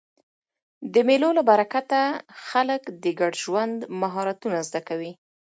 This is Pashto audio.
د مېلو له برکته خلک د ګډ ژوند مهارتونه زده کوي.